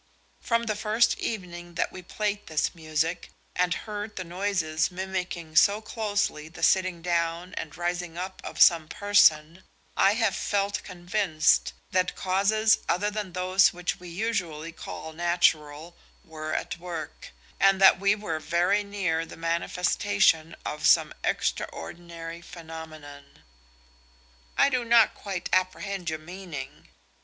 From the first evening that we played this music, and heard the noises mimicking so closely the sitting down and rising up of some person, I have felt convinced that causes other than those which we usually call natural were at work, and that we were very near the manifestation of some extraordinary phenomenon." "I do not quite apprehend your meaning."